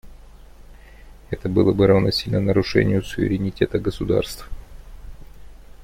Это было бы равносильно нарушению суверенитета государств.